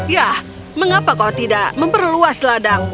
yah mengapa kau tidak memperluas ladangnya